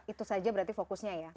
itu saja berarti fokusnya ya